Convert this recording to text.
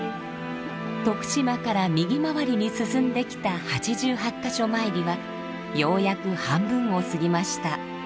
徳島から右回りに進んできた８８か所参りはようやく半分を過ぎました。